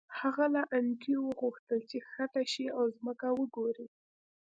هغه له انډریو وغوښتل چې ښکته شي او ځمکه وګوري